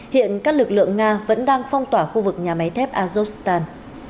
hiện các lực lượng nga vẫn đang phong tỏa khu vực nhà máy thép azokstan